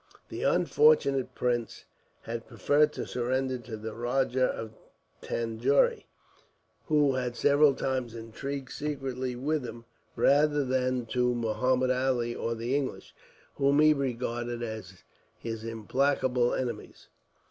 The unfortunate prince had preferred to surrender to the Rajah of Tanjore, who had several times intrigued secretly with him, rather than to Muhammud Ali or the English, whom he regarded as his implacable enemies.